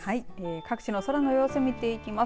各地の空の様子を見ていきます。